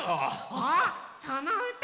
あっそのうた